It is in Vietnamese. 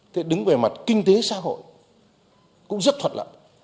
thế đứng về mặt kinh tế xã hội cũng rất thuận lợi